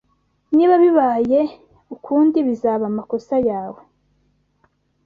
Niba bibaye ukundi bizaba amakosa yawe